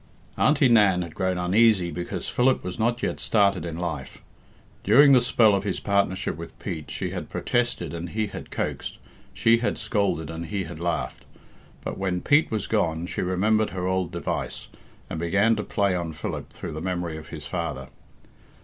Auntie Nan had grown uneasy because Philip was not yet started in life. During the spell of his partnership with Pete she had protested and he had coaxed, she had scolded and he had laughed. But when Pete was gone she remembered her old device, and began to play on Philip through the memory of his father.